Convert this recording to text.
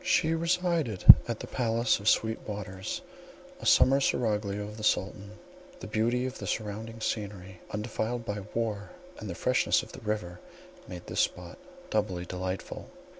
She resided at the palace of Sweet Waters, a summer seraglio of the Sultan; the beauty of the surrounding scenery, undefiled by war, and the freshness of the river, made this spot doubly delightful.